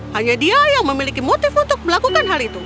hanya dia yang memiliki motif untuk melakukan hal itu